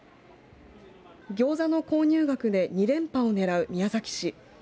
ギョーザの購入額で２連覇を狙う宮崎市。